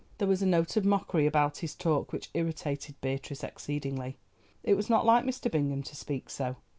There was a note of mockery about his talk which irritated Beatrice exceedingly. It was not like Mr. Bingham to speak so.